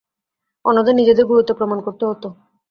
অন্যদের নিজেদের গুরুত্ব প্রমাণ করতে হতো।